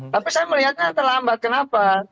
tapi saya melihatnya terlambat kenapa